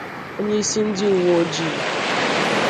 onyeisi ndị uwe ojii